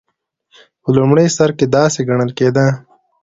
په لومړي سر کې داسې ګڼل کېده.